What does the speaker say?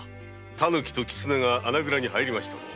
タヌキとキツネが穴蔵に入りましたぞ。